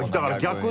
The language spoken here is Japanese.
逆に。